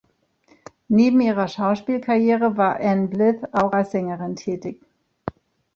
Neben ihrer Schauspielkarriere war Ann Blyth auch als Sängerin tätig.